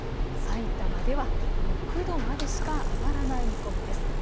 さいたまでは６度までしか上がらない見込みです。